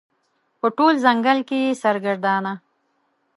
په ټول ځنګل کې یې سرګردانه